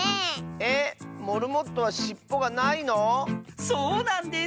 えっモルモットはしっぽがないの⁉そうなんです！